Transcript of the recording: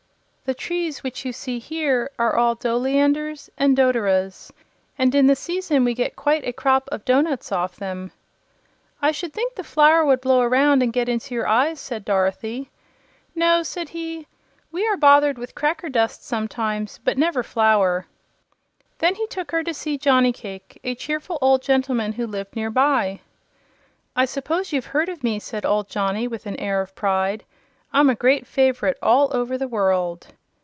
The trees which you see here are all doughleanders and doughderas, and in the season we get quite a crop of dough nuts off them." "I should think the flour would blow around and get into your eyes," said Dorothy. "No," said he; "we are bothered with cracker dust sometimes, but never with flour." Then he took her to see Johnny Cake, a cheerful old gentleman who lived near by. "I suppose you've heard of me," said old Johnny, with an air of pride. "I'm a great favorite all over the world."